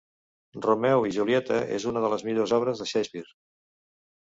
Romeu i Julieta és una de les millors obres de Shakespeare